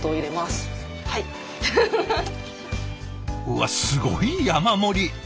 うわっすごい山盛り。